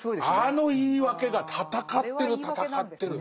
あの言い訳が戦ってる戦ってる。